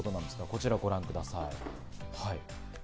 こちらご覧ください。